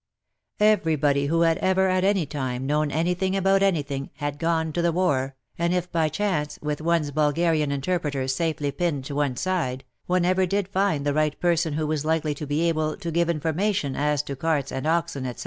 Everybody who had ever, at any time, known anything about anything, had " gone to the war," and if by chance, with one's Bulgarian interpreter safely pinned to one's side, one ever did find the right person who was likely WAR AND WOMEN 71 to be able to give information as to carts and oxen, etc.